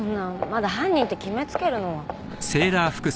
まだ犯人ってきめつけるのは。